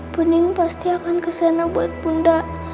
bening pasti akan kesana buat bunda